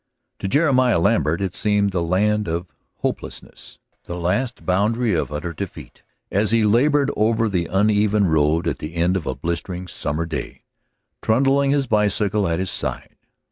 To Jeremiah Lambert it seemed the land of hopelessness, the last boundary of utter defeat as he labored over the uneven road at the end of a blistering summer day, trundling his bicycle at his side.